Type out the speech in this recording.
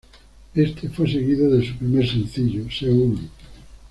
Éste fue seguido de su primer sencillo, "Seúl".